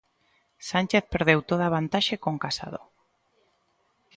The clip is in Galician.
Sánchez perdeu toda a vantaxe con Casado.